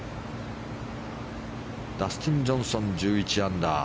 ダスティン・ジョンソン１１アンダー。